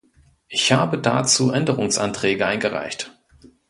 Ich habe dazu Änderungsanträge eingereicht.